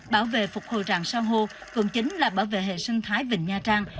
bảo vệ phục hồi rạng sang hô cũng chính là bảo vệ hệ sinh thái vịnh nha trang